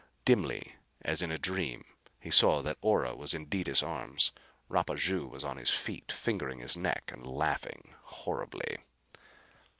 Dimly, as in a dream, he saw that Ora was in Detis' arms. Rapaju was on his feet, fingering his neck and laughing horribly.